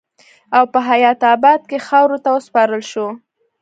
او پۀ حيات اباد کښې خاورو ته وسپارل شو